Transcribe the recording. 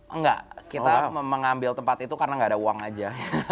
enggak kita mengambil tempat itu karena nggak ada uang aja